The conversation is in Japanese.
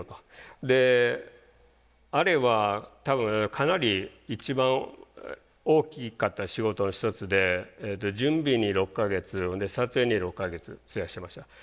であれは多分かなり一番大きかった仕事の一つで準備に６か月撮影に６か月費やしました。